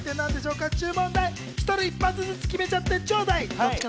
一人一発ずつ決めちゃってちょうだい。